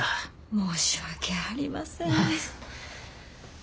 申し訳ありません。